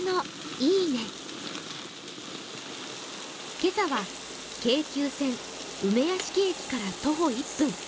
今朝は京急線・梅屋敷駅から徒歩１分。